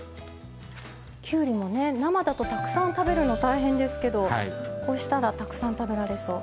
きゅうりもね生だとたくさん食べるの大変ですけどこうしたらたくさん食べられそう。